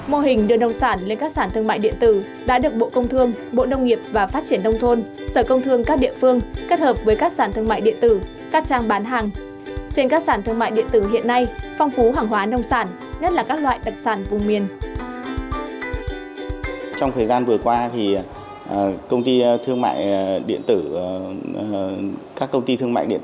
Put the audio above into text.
mô hình đưa nông sản lên các sản thương mại điện tử đã được bộ công thương bộ nông nghiệp và phát triển đông thôn sở công thương các địa phương kết hợp với các sản thương mại điện tử các trang bán hàng